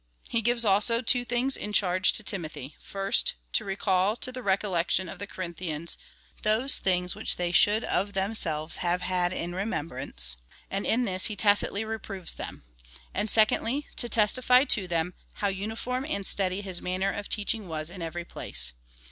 He gives also two things in charge to Timothy — first, to recall to the recollection of the Corinthians those things which they should of themselves have had in remem brance, and in this he tacitly reproves them ; and secondly, to testify to them, how uniform and steady his manner of teaching was in every place.